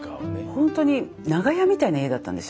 ほんとに長屋みたいな家だったんですよ。